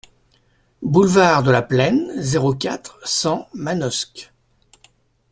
Boulevard de la Plaine, zéro quatre, cent Manosque